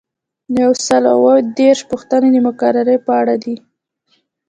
یو سل او اووه دیرشمه پوښتنه د مقررې په اړه ده.